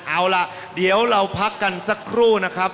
เอาล่ะเดี๋ยวเราพักกันสักครู่นะครับ